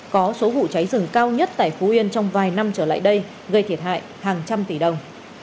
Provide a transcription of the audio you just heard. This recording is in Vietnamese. có số vụ cháy rừng cao nhất tại phú yên trong vài năm trở lại đây gây thiệt hại hàng trăm tỷ đồng